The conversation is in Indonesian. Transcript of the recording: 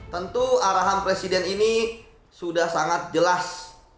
tentu arahan presiden ini sudah sangat jelas